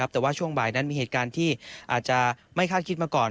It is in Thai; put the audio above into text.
แต่ว่าช่วงบ่ายนั้นมีเหตุการณ์ที่อาจจะไม่คาดคิดมาก่อน